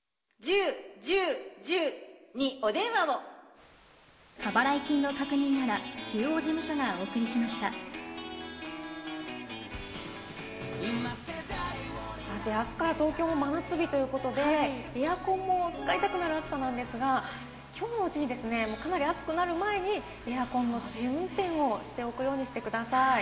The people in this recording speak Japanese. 木曜日にかけて広い範囲で明日から東京も真夏日ということでエアコンを使いたくなる暑さですが、今日のうちにかなり暑くなる前にエアコンの試運転をしておくようにしてください。